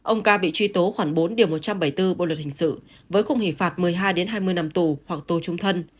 ông ca bị truy tố khoảng bốn điều một trăm bảy mươi bốn bộ luật hình sự với khung hình phạt một mươi hai hai mươi năm tù hoặc tù trung thân